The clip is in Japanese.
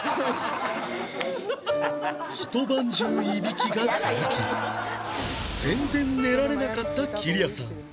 ひと晩中いびきが続き全然寝られなかったきりやさん